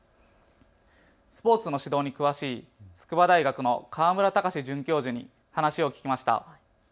スポーツの指導に詳しい筑波大学の川村卓准教授に話を聞きました。